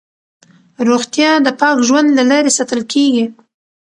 روغتیا د پاک ژوند له لارې ساتل کېږي.